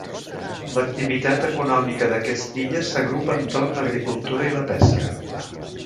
L'activitat econòmica d'aquesta illa s'agrupa entorn l'agricultura i la pesca.